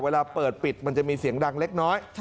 เวลาเปิดปิดมันจะมีเสียงดังเล็กน้อย